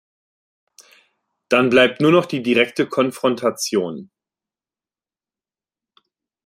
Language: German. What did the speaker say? Dann bleibt nur noch die direkte Konfrontation.